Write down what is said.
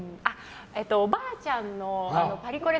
おばあちゃんのパリコレ